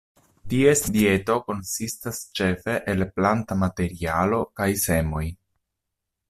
Ties dieto konsistas ĉefe el planta materialo kaj semoj.